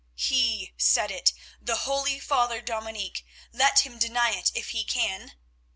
"He said it—the holy Father Dominic; let him deny it if he can.